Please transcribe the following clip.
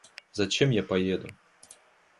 Зачем я поеду?